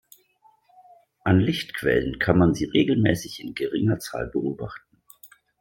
An Lichtquellen kann man sie regelmäßig in geringer Zahl beobachten.